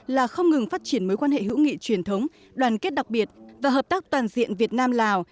là không ngừng phát triển mối quan hệ hữu nghị truyền thống đoàn kết đặc biệt và hợp tác toàn diện việt nam lào